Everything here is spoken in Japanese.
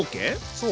そう。